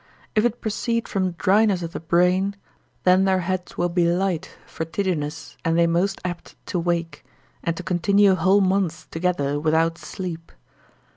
If it proceed from dryness of the brain, then their heads will be light, vertiginous, and they most apt to wake, and to continue whole months together without sleep.